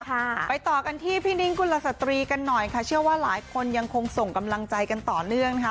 ค่ะไปต่อกันที่พี่นิ้งกุลสตรีกันหน่อยค่ะเชื่อว่าหลายคนยังคงส่งกำลังใจกันต่อเนื่องนะคะ